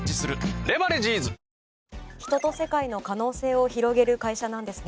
人と世界の可能性を広げる会社なんですね。